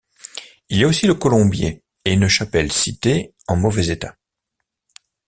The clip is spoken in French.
Il y a aussi le colombier et une chapelle citée en mauvais état.